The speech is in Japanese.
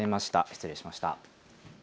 失礼しました。